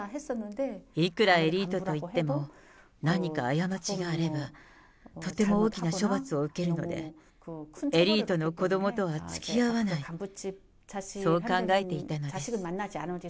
いくらエリートといっても、何か過ちがあれば、とても大きな処罰を受けるので、エリートの子どもとはつきあわない、そう考えていたのです。